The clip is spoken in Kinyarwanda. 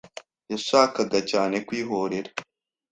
Yashakaga cyane kwihorera.